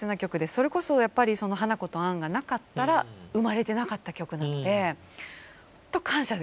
それこそやっぱりその「花子とアン」がなかったら生まれてなかった曲なのでほんと感謝ですね。